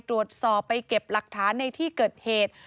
ตรวจสอบไปเก็บหลักฐานในที่เกิดเหตุ